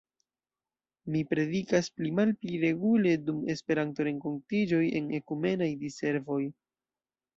Mi predikas pli-malpli regule dum Esperanto-renkontiĝoj en ekumenaj diservoj.